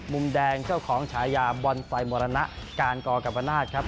มุมแดงเจ้าของฉายาบอนไซมรณะการกกรรมนาศครับ